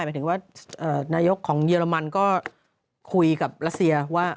หมายถึงว่านายกของเยอรมันก็คุยกับรัสเซียว่า